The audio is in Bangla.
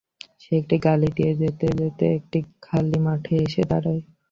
সে একটি গলি দিয়ে যেতে যেতে একটি খালি মাঠে এসে দাঁড়ায়।